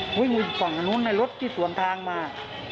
หุ้ยฝั่งข้างนู้นรถที่สวนทางมา